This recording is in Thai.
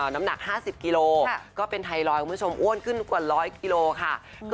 น้ำหนัก๕๐กิโลก็เป็นไทรอยด์คุณผู้ชมอ้วนขึ้นกว่า๑๐๐กิโลค่ะ